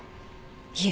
いえ。